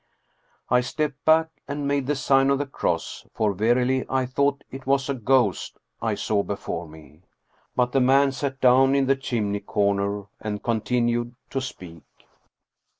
I stepped back and made the sign of the cross, for verily I thought it was a ghost I saw before me. But the man sat down in the chimney corner and con tinued to speak.